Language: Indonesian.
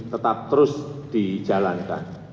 tetap terus dijalankan